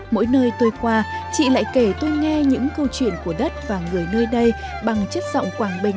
mỗi nơi tôi qua chị lại kể tôi nghe những câu chuyện của đất và người nơi đây bằng chất giọng quảng bình